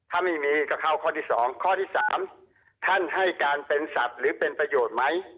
ถ้าไม่มีก็เข้าข้อที่๒ข้อที่๓ท่านให้การเป็นสัตว์หรือเป็นประโยชน์ไหม